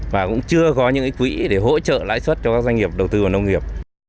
và cũng chưa có những quỹ để hỗ trợ lãi suất cho các doanh nghiệp đầu tư vào nông nghiệp